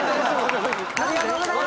ありがとうございます！